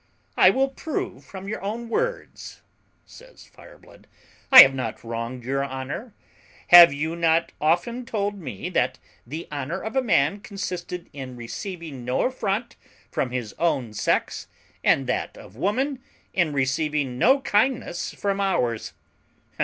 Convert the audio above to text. "I will prove from your own words," says Fireblood, "I have not wronged your honour. Have you not often told me that the honour of a man consisted in receiving no affront from his own sex, and that of woman in receiving no kindness from ours?